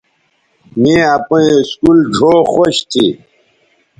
می اپئیں اسکول ڙھؤ خوش تھی